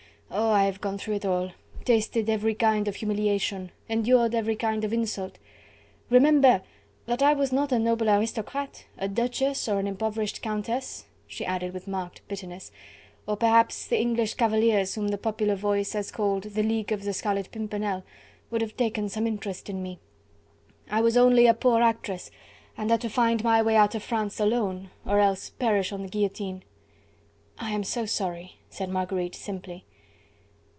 Oh! I have gone through it all... tasted every kind of humiliation... endured every kind of insult.... Remember! that I was not a noble aristocrat... a Duchess or an impoverished Countess..." she added with marked bitterness, "or perhaps the English cavaliers whom the popular voice has called the League of the Scarlet Pimpernel would have taken some interest in me. I was only a poor actress and had to find my way out of France alone, or else perish on the guillotine." "I am so sorry!" said Marguerite simply.